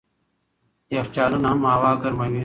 یخچالونه هم هوا ګرموي.